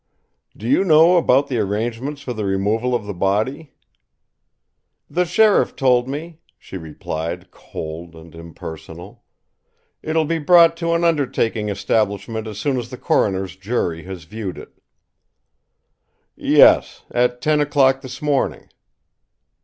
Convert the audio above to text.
"Do you know about the arrangements for the removal of the body?" "The sheriff told me," she replied, cold, impersonal. "It will be brought to an undertaking establishment as soon as the coroner's jury has viewed it." "Yes at ten o'clock this morning."